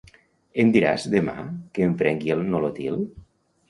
Em diràs demà que em prengui el Nolotil?